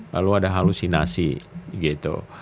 lalu ada halusinasi gitu